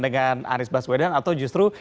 dengan anies baswedan atau justru